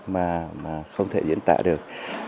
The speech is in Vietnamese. mà không thể diễn tạo được